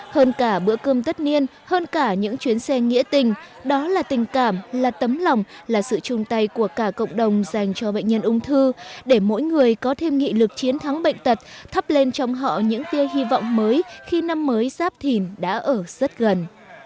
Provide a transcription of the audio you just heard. hơn cả bữa cơm tất niên hơn cả những chuyến xe nghĩa tình đó là tình cảm là tấm lòng là sự chung tay của cả cộng đồng dành cho bệnh nhân ung thư để mỗi người có thêm nghị lực chiến thắng bệnh tật thắp lên trong họ những tia hy vọng mới khi năm mới giáp thìn đã ở rất gần